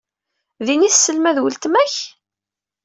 Din ay tesselmad weltma-k?